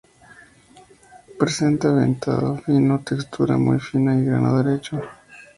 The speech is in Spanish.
Presenta veteado fino, textura muy fina y grano derecho.